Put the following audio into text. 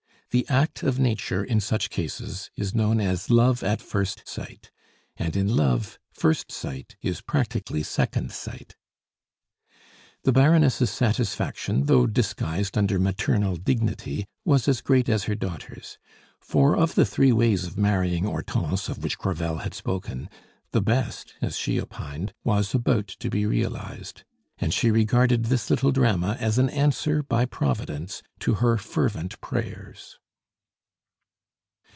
The act of nature in such cases is known as love at first sight; and in love, first sight is practically second sight. The Baroness' satisfaction, though disguised under maternal dignity, was as great as her daughter's; for, of the three ways of marrying Hortense of which Crevel had spoken, the best, as she opined, was about to be realized. And she regarded this little drama as an answer by Providence to her fervent prayers.